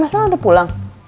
mas al udah pulang